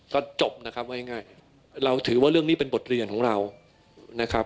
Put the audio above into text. ก็จบนะครับว่าง่ายเราถือว่าเรื่องนี้เป็นบทเรียนของเรานะครับ